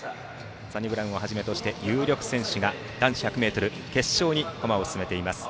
サニブラウンをはじめとして有力選手が男子１００ｍ決勝に駒を進めました。